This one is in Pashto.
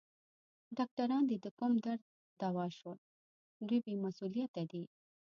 ډاکټران دي د کوم درد دوا شول؟ دوی بې مسؤلیته دي.